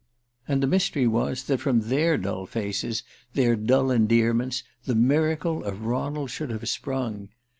And the mystery was that from their dull faces, their dull endearments, the miracle of Ronald should have sprung.